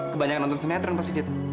kebanyakan nonton senetron pasti dia tuh